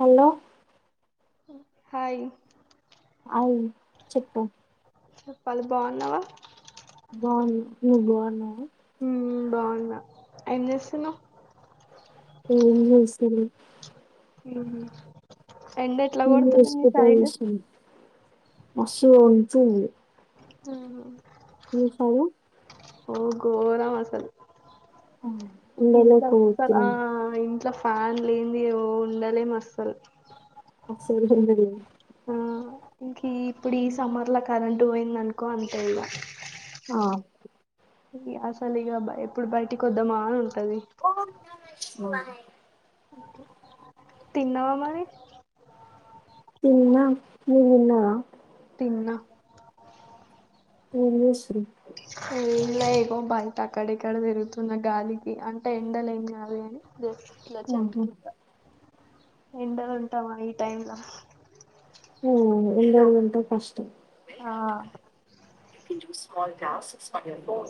Hello hi అయి చెప్పు చెప్పాలి బాగున్నావా బాను బాను నువ్వు బాగు ఉన్నావ్ హ బాగుంవ్ ఏం చేస్తున్నా్ ఏం చేస లే ఉమ్ ఎండ ఎట్లా మ కొడుతుంది మీ వసుకుప్ప సైడ్ వషం మస ఉంటాయి హ స హగు అరమాసలు ఉండలో అస్సలు పోతున్న ఆ ఇంట్లో ఫ్యాన్ లేంది ఏవో ఉండాలిం అస్సలు సరగా ఉండ లేము ఆ ఇంక ఇప్పుడు ఈ సమ్మర్ లో కరెంటు పోయింది అనుకో అంతేద ఆ అసలు ఇకా ఇప్పుడు బయటి కొ వద్దామా అని ఉంటది ఓ తిన్నావా మరి తిన్నా. ను తిన్నవా? తిన్నా. ఏం చేస్తున్నావ్. ఏం లె ఇగో బయట అక్కడ ఇక్కడ తిరుగుతున్న గాలికి అంటే ఎండల ఏం కాదు గని [inaudible] చెట్టు ఆహా కింద ఎండలుంటమా ఈ టైమ్ల ఓ ఎండలుంటే కష్టం. ఆ స్మల్ గ్లాస్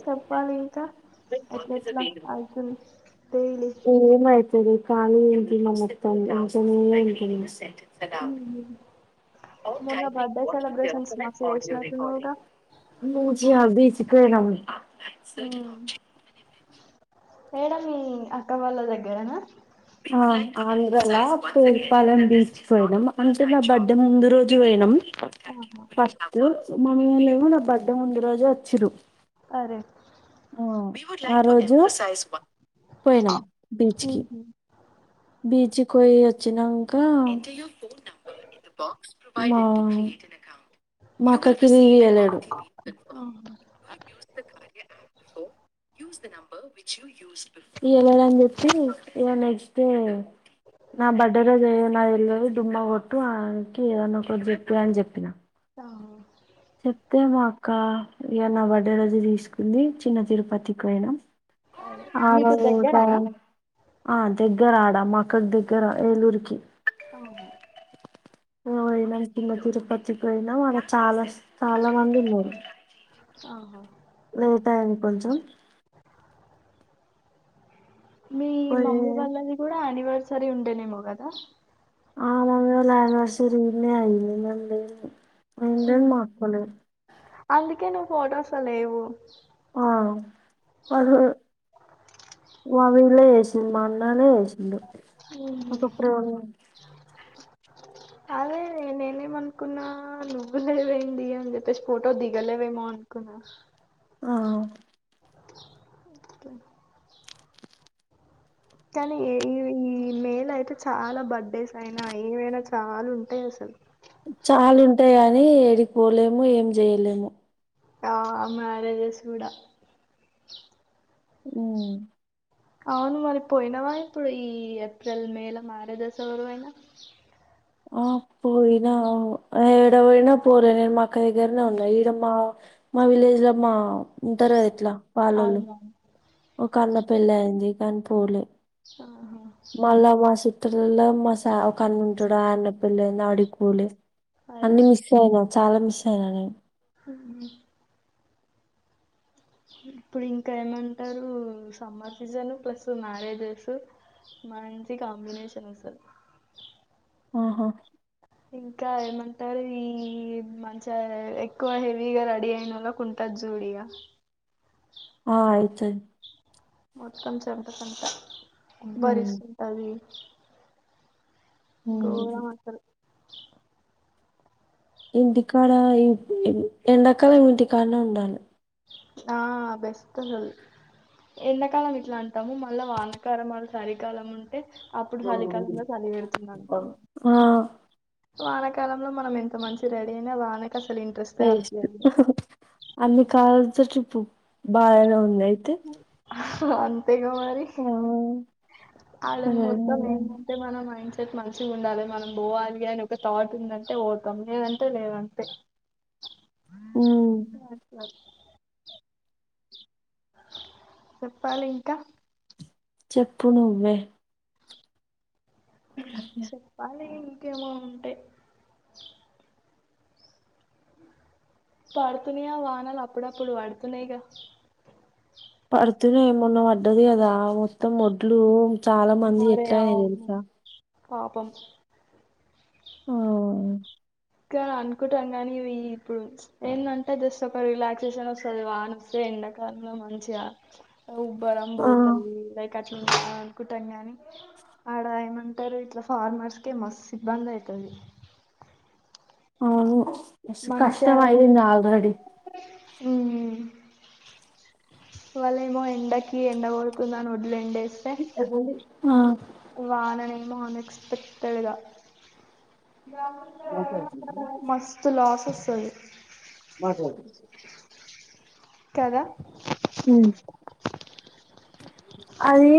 చెప్పాలి ఇంకా ఎట్ట్లేట్లా అయితుంది డైలీ కానీ ఇంటికి మళ్ళ అత్తంది ఇంటనే ఇంటలేదు. హ్ మస్తు చేసినట్టున్నావుగా మూజి ఆఫ్ థిస్ [unintelligible] హ్ మేడం మీ అక్క వాళ్ళ దగ్గరనా? ఆ ఆంధ్రలా కోల్పాలం బీచ్కి పోయినం. అంటే నా బర్త్డే ముందు రోజు పోయినం. ఆహా ఫస్ట్ మమ్మీవాల్లేమో నా బర్త్డే ముందు రోజు వచ్చింన్రు అరె ఆ రోజూ పోయినం బీచ్కి. ఉహు, బీచ్ పోయి వచ్చినంకా నా [inaudible] ఈయలేడు. ూస్త కార్య యాప్ ఈయలేడని చెప్పి ఇగ నెక్స్ట్డే నా బర్డే రోజు నా ఎల్లుడు డుమ్మ గొట్టు ఆనికి ఏదన్నా ఒకట్ చెప్పే అని చెప్పిన. ఆ చెప్తే మా అక్క ఇగ నా బర్డే రోజూ తీసుకుంది. చిన్న తిరుపతికి పోయినం అదే మీకు దగ్గరనా [unintelligible] ఆ దగ్గర ఆడా మా అక్కకి దగ్గర ఏలూరికి. అవును పోయినం. చిన్న తిరుపతికి పోయినం ఆడ చాలా చాలా మంది ఉన్నారు. ఆహా లేట్ అ కొంచం మీ పోయి మమ్మీ వాళ్ళని కూడా అనివర్స సరి ఉండేనేమో గదా ఆలాలయ శరన్న అయిండ [unintelligible] అంటే ఉమ్, మాకులే అందుకే నువ్వు ఫొటోస్లో లేవు ఆహ్ ప మావి లే ఏసింది మా అన్నానే ఏసిండు ఒకప్పుడు అదేే నేనేమనుకున్నా నువ్వులేవైంది అని చెప్పేసి ఫోటో దిగలేవేమో అనుకున్నా ఆహ్ ఒకే కానీ ఈ ఈ ఈ నేల అయితే చాలా బర్త్డేస్ అయినా ఏవైనా చాలా ఉంటాయి అసలు చాలు ఉంటాయి కాని ఎడిగిపోలేము ఏం చేయలేము ఆహ్ మ్యారేజ్స్ కూడా హమ్ అవును మరి పోయినావా ఇప్పుడు ఈ ఏప్రిల్ మేల మ్యారేజ్స్ ఎవరివైనా ఆహ్ పోయినా ఏడపోయిన పోలే నేను మా ఆక్క దగ్గరనే ఉన్నా ఈడ మా మా విలేజ్ లో మా ఉంటారుగా ఇట్ల అవునువు ఒక అన్న పెళ్లి అయింది కానీ పోలే ఆహా మల్ల మాసు లో మసా ఒకన్న ఉంటాడు ఆహ్ అన్న పెళ్లయింది ఆడికి పోలే అరే అన్ని మిస్ అయినం చాలా మిస్ అయిన నేను హమ్ ఇప్పుడు ఇంకా ఏమంటారు సమ్మర్ సీజన్ ప్లస్ మ్యారేజెస్ మంచి కాంబినేషన్ వస్తది ఆహా ఇంకా ఏమంటారు ఈ మంచిగా ఎక్కువ హెవీగా రెడీ అయినోళ్లకి ఉంటది జూడిగా ఆహ్ అయితాధ్ మొత్తం చెమట చెమట హ్మ్ ఊబరిస్తుంటది గోరం హ్మ్ అసలు ఇంటి కాడ ఈ ఈ ఎండాకాలం ఇంటికడ్నే ఉండాలి ఆహ్ బెస్ట్ అసలు ఎండాకాలం ఇట్లా అంటాము మళ్ళా వానకాల వాళ్ సరికాలం ఉంట అంటే అప్పుడు చలికాలంలో చలి పెడుతుంది అంటాం ఆ వానకాలంలో మనం ఎంత మంచి రెడీ అయినా వాన బేస్ట్ ఎన్నిక ప్పు బాగానే ఉం రాయితే అ అంతేగా మరి అల్లా మొత్తం సరేలేరా. ఏమంటే మన మైండ్ మంచిగా ఉండాలి మనం పోవాలి అని ఒక థాట్ ఉందంటే పోతాం. లేదంటే లేదంటే ఉమ్ [unintelligible] చెప్పాలి ఇంకా చెప్పు నువ్వే చెప్పాలి ఇంకేం ఉంటాయి పడుతున్నాయా వానలు అప్పుడప్పుడు పడుతున్నాయిగా. పడుతున్నాయి మొన్న పడ్డది. కదా మొత్తం వడ్లు చాలా మంది మరే ఎట్ల అయినా అవును తెలుసా పాపం ఆఓ కా అనుకుంటాం కానీ ఇ ఇప్పుడు ఏంటంటే జస్ట్ ఒక రిలాక్సేషన్ వస్తుంది. వానవస్తే ఎండాకాలంలో మంచిగా ఉబ్బ ఆ అంబోతు అల్క్ అట్లా అనుకుంటాం ని ఆడ ఏమంటారు ఇట్లా ఫార్నర్సకి మస్తు ఇబ్బంది అయితుంది. అవును బస్ కష్టమయింది ఆల్రెడీ వళ్లేమో ఎండకి ఎండ కొడుతుందని వాదులెండే. [unintelligible] ఆ వానలేమో అనెక్స్పెక్టెడ్గా [unintelligible] మస్తు లాస్ అసలు మాట్లాడు కదా అది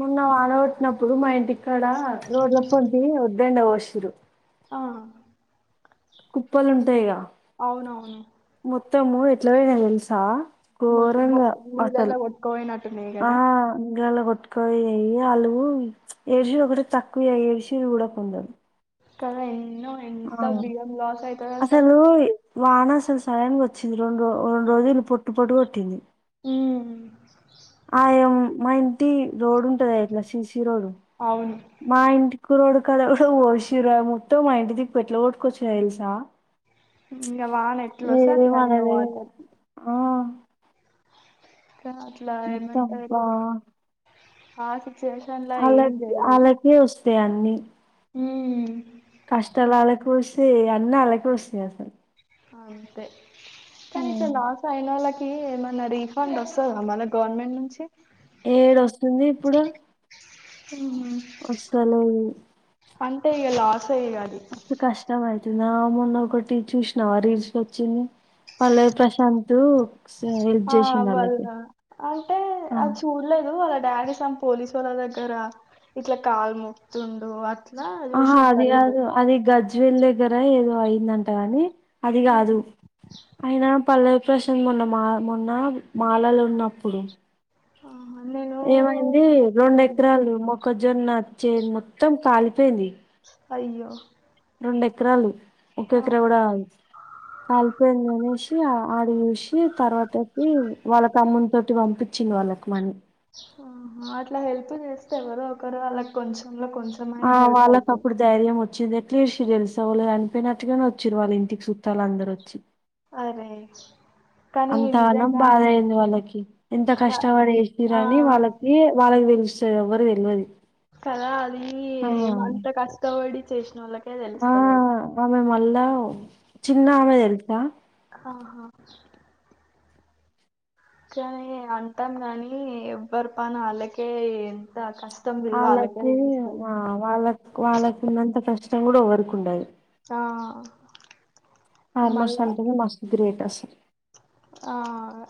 మొన్న వానగొట్టినప్పుడు మా ఇంటిక్ కడా రోడ్లప్పోంటి ఉం దండవషీరు ఆ కుప్పలు ఉంటయిగా అవునవును మొత్తము ఎట్లా అయినాయో తెలుసా మొత్తం గోరంగా బొ- అసల్ నీళ్ళల్లో కొట్టుకపోయినట్టున్నాయి ఆ కదా గాలా గొ కా ఎఆల్లు ఏడిసిడు ఒకటె తక్కువ ఏడిసిర్రు కూడా కొందర్ కద న్నో ఎంత బియ్యం లాస్ అయితది అసలు వాన అసలు సడన్గా వచ్చింది. రెండురో రెండు రోజులు పొట్టు పొటు కొట్టింది. మ్ ఆ ఏం మా ఇంటి రోడ్ ఉంటది ఇట్లా సిసి ఏ రోడు అవును మా ఇంటి రోడు కాడా కూడా పోషిర్రు ఆ మొత్తం మా ఇంటి దిక్కు ఎట్ల కొట్టుకొచ్చినయ్ తెలుసా ఇంగ వాన ఎట్లోస్తే అట్ల ఏం ఇంగ అనలేదు వాటర్ ఆ కా అట్లా మొత్తం ఏమంటారు బా కాసి స్టేషన్ల ఏం జరగలేద్ స్తయ్ అన్ని మ్ కష్టాలు అల్లకే వస్తయ్ అన్నీ అల్లకే వస్తయ్ అసలు అంతే ఉ కానిట్ల లాస్ అయినోల్లక్ కి ఏమైనా రీఫండ్ వస్తదా మల్ల గవర్నమెంట్ నుంచి ఏడోస్తుంది ఇప్పుడు వస్తలేవు [unintelligible] తేయ్ గా అది నా మొన్న ఒకటి చూసినావా రీల్స్ వచ్చింది పల్లవి ప్రశాంత్ హెల్ప్ ఆ చేసిండు వాళ్ళకి [unintelligible] అంటే ఆ. అది చూడలేదు డాడీ సమ్ పోలీసోళ్ళ దగ్గర ఇట్లా కాలు మొక్తుండు అ ఆహా అది గిదు అది గజ్ జ్వేల్ దగ్గర ఏదో అయిందంట గాని అది కాదు అయినా పల్లవ్ ప్రశాంత మొన్న మా మొన్న మాలలున్నప్పుడు నేను ఏమైంది రెండు ఎత్తలేను ఎకరాలు మొక్కజొన్న చ్చేన్ మొత్తం కాలి పొయింది అయ్యో రెండెకరాలు ఒక్కెకరా ఆహా కూడా కాదు కలిపోయిందనేషి ఆడ చూసి తర్వా చెప్పి వాళ్ళ తమ్మున్ తోటి పంపిచ్ంచిది వాళ్ళకి మనీ ఆహా అట్లా హెల్ప్ చేస్తే ఎవరో ఒకరు వాళ్ళక్కొంచెం ఆ వాళ్ళకప్పుడు ధైర్యమొ చ్చింది ఎట్లా ఏడ్చిర్రు తెలుసా వాల్లు చనిపోయినట్టుగానే వచ్చిర్రు వాళ్ళింటికి చుట్టాలందరు వచ్చి అరే కానీ అంత అనం నిజంగా బాధ అన్ అయింది వాళ్ళకి ఎంత రా ఆ కష్టపడేసిరని వాళ్ళకి వాళ్ళకి తెలుస్తు ఎవ్వరికి తెల్వది కద అది ఆ ఏమంత కష్టపడి [unintelligible] ఆ తెలుస్తది అది ఆమె మళ్ళ చిన్న ఆమె తెల్సా ఆహా కానీ అంటాం గానీ ఎవ్వరి పని వాళ్ళకే ఎంత కష్ ఆళ్ళకి ఆ వాళ్ళక్ వాళ్ళకున్నంత కష్ ష్టం కూడా ఎవ్వరికుండది ఆ ఆర్ మోస్ట్ మళ్ళా అంటే నే మస్తు గ్రేట్ అసలు ఆ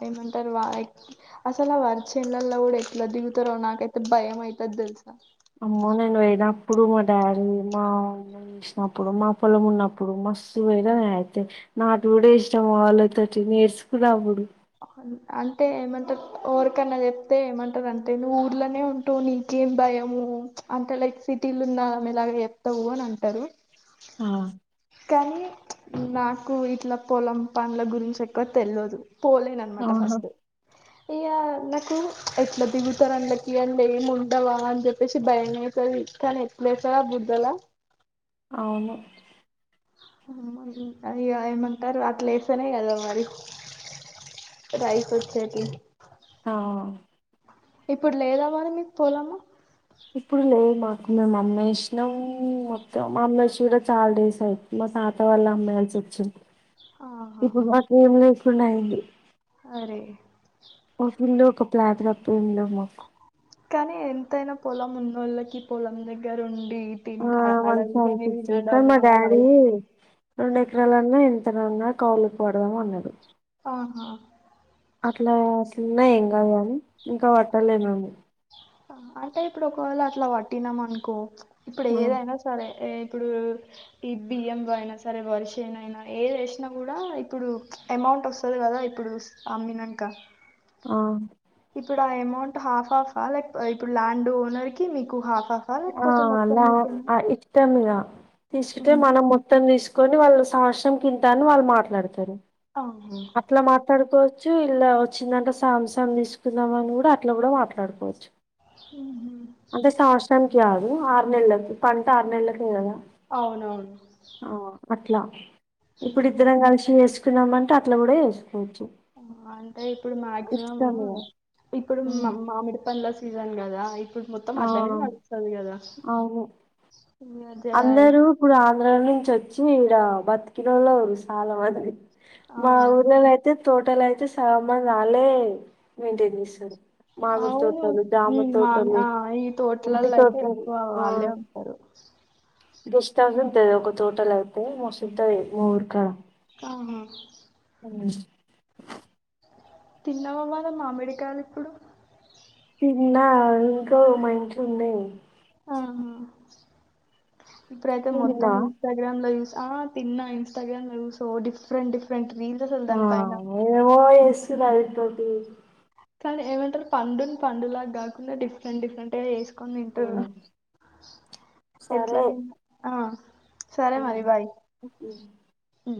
ఏమంటారు వా అసలా వర చేన్లలల్ల కుడా ఎట్ల దిగుతరో నాకైతే భయం అయితది తెల్సా అమ్మో నేను పోయినప్పుడు మా డాడీ మా అమ్మ చేసినప్పుడు మా పొలం ఉన్నప్పుడు మస్తు పోయినా నేను అయితే నాటు కూడా ఎశినా వాళ్ళతోటి నేర్చుకున్నప్పుడు అంటే ఏమంటారు ఎరికన్నా చెప్తే ఏమంటారు అంటే నువ్వు ఊర్లోనే ఉంటవు నీకేం భయము అంటే లైక్ సిటీలు ఉన్నమెలాగ చెత్తవ్ అని అంటారు ఆ కానీ నాకు ఇట్లా పొలం పండ్ల గురించి ఎక్కువ తెలియదు పోలే నన్నమాట ఆహా ఫస్ట్ అయ్యా నాకు ఎట్లా దిగుతారు అండ్లకి అండ్ల ఏమి ఉండవా అని చెప్పేసి భయమైతది కని ఎట్లేస్తారా బురుదళ అవును ఇగ ఏమంటారు అట్లేస్తానే కదా మరి రైస్ వచ్చేటియి ఆ ఇప్పుడు లేదామా మరి మీకు పొలము మ మ్మేసినం మొత్తం మమ్మేసి కూడా చాలా డేస్ అయింది మా తాతా వళ్ళ అమ్మెయాల్సి వచ్చింది ఆహా ఇప్పుడు బాకీ ఎంలేదు ప్పున్నైంది అరే ఇల్లు ఒక ప్లాట్ తప్ప ఎం లేవ్ మాకు కానీ ఎంతైనా పొలం ఉన్నోళ్ళకి పొలం దగ్గర ఉ ఆ మంచిగా [unintelligible] రెండెకరాలన్నా ఎంత ఉన్నా కౌలుకి పడదాం అన్నాడు ఆహా అట్లా అసలున్నా ఏం కానీ ఇంకా పట్టలేమేము అంటే ఇప్పుడు ఒకవేళ అట్లా పట్టినాం అనుకో ఇప్పుడు ఏదైనా సరే ఇప్పుడు ఈ బియ్యంబ అయినా సరే వర్షేన్ అయినా ఏది వేసినా కూడా ఇప్పుడు అమౌంట్ వస్తుంది కదా ఇప్పుడు అమ్మినంక ఆ ఇప్పుడు ఆ అమో అమౌట్ హాఫ్ హఫా లేక ఇప్పుడు ల్యాండ్ ఓనర్ కి మీకు హ ఆ న ఇష్టంద తీసుకుంటే ఉమ్. మనం మొత్తం తీసుకు కొని వాళ్ళు సంవత్సరం కింతా అని వాళ్లు మాట్డతారు ఆహా అట్లా మాట్లాడుకో చ్చ ఇలా వచ్చిందంట సాంసం తీసుకుందాం అని కూడా అట్లా కూడా మాట్లాడుకోవచ్చు ఉహు. అంటే శస్రం కాదు ఆరు నెలలకి పంట ఆరు నెలలకి కదా అవునవును ఆ అట్లా ఇప్పుడు ఉహు. ఇతర కాసిసు చి ట్లప్పుడే అంటే ఇప్పుడు మాక్సిమము ఇష్టం ఇగ ఇప్పుడు మా ఉమ్, మామిడి పంల సీజన్ కదా ఇప్పుడు మొత్తం ఆ అట్లాడ నడుస్తుంది కదా జర అందరు ఇప్పుడు ఆంధ్రా ను వచ్చి ఇడ బతు కిలో లో సాల వడి మా ఆ ఊర్లోనయితే తోటల్ అయితే సామాన్ వాళే మెయింటైన్ చేస్తారు మామిడి తోటలు అవును జామ మామి తోటలు ఈ అన్ని తోటలల్లో అయితే తోటలు ఎక్కువ వాళ్ళే ఉంటారు దష్టాస్ ఉంటది ఒక తోటల అయితే మస్తుంటది ఊర్కా ఆ ఉమ్ తిన్నావమ్మాద మామిడికాయలు ఇప్పుడు నా ఇంకా మంచు ఉండేది ఆహా ఇప్పుడయితే నువ్వు మొత్తం తిన్నావా ఇన్స్టాగ్రామ్ లో చుస్ ఆ తిన్నా ఇన్స్టాగ్రామ్ న సో డిఫరెంట్ డిఫరెంట్ వీంద వుంది దాని పయన రవిప్రటి కానీ ఏమంటారు పండుని పండులాగా కాకుండా డిఫరెంట్ డిఫరెంట్ చెస్ కొని ఆ తింటారు ఎట్లా తిం ఆ ఉ ఉం ఉం